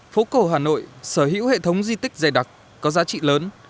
phố cổ hà nội sở hữu hệ thống di tích dày đặc có giá trị lớn